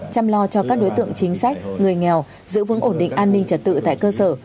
chăm lo cho các đối tượng chính sách người nghèo giữ vững ổn định an ninh trật tự tại cơ sở